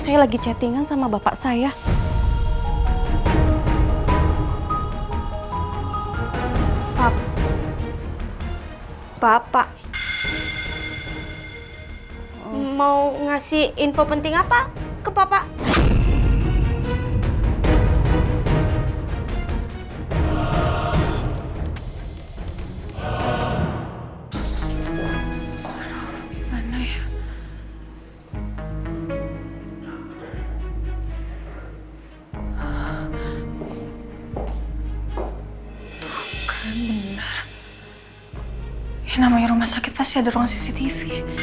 yang namanya rumah sakit pasti ada ruang cctv